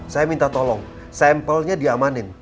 saya minta tolong sampelnya diamanin